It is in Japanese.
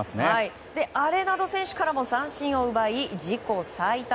アレナド選手からも三振を奪い自己最多